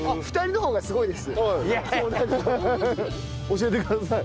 教えてください。